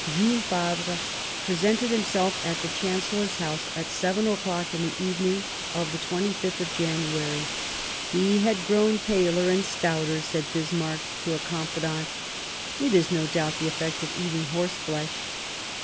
Jules Favre presented himself at the Chancellor's house at seven o'clock in the evening of the 25th of January. " He has grown paler and The armistice stouter," said Bismarck to a confidant; ol January "^^^^^^ doubt the effect of eating horse flesh."